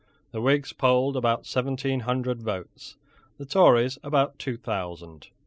The Whigs polled about seventeen hundred votes, the Tories about two thousand.